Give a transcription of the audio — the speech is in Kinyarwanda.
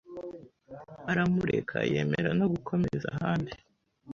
aramureka yemera, no gukomeza ahandi